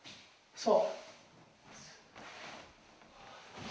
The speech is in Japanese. そう。